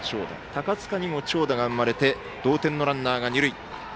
高塚にも長打が生まれて同点のランナーが二塁。